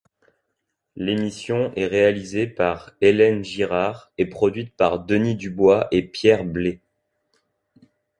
L'émission est réalisée par Hélène Girard et produite par Denis Dubois et Pierre Blais.